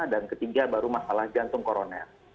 dan ketiga baru masalah jantung koroner